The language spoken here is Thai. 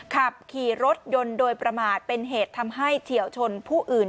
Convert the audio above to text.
ขับขี่รถยนต์โดยประมาทเป็นเหตุทำให้เฉียวชนผู้อื่น